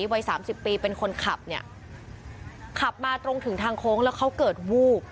วัยสามสิบปีเป็นคนขับเนี่ยขับมาตรงถึงทางโค้งแล้วเขาเกิดวูบ